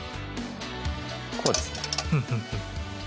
こうですね。